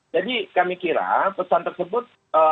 jadi kami kira pesan tersebut